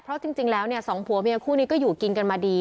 เพราะจริงแล้วเนี่ยสองผัวเมียคู่นี้ก็อยู่กินกันมาดี